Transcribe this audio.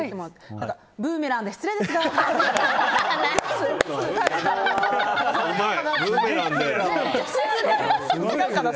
ブーメランで失礼ですが。